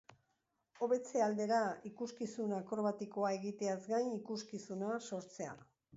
Hobetze aldera, ikuskizun akrobatikoa egiteaz gain ikuskizuna sortzea.